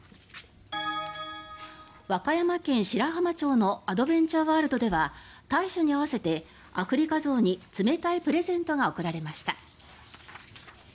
和歌山県白浜町のアドベンチャーワールドでは大暑に合わせてアフリカゾウに冷たいプレゼントが贈られました。